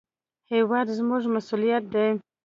هېواد زموږ مسوولیت دی